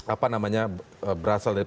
apa namanya berasal dari